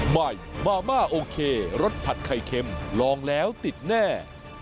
ใหม่มาม่าโอเครสผัดไข่เค็มลองแล้วติดแน่